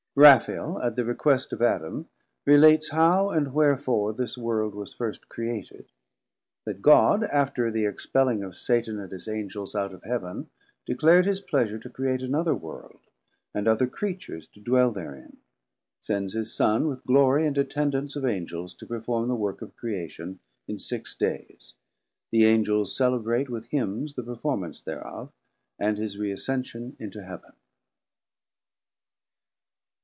Raphael at the request of Adam relates how and wherefore this world was first created; that God, after the expelling of Satan and his Angels out of Heaven, declar'd his pleasure to create another World and other Creatures to dwell therein; sends his Son with Glory and attendance of Angels to perform the work of Creation in six dayes: the Angels celebrate with Hymns the performance thereof, and his reascention into Heaven.